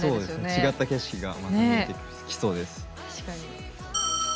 違った景色がまた見えてきそうです。